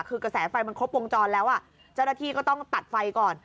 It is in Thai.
คือกระแสไฟมันครบวงจรแล้วอ่ะเจ้าหน้าที่ก็ต้องตัดไฟก่อน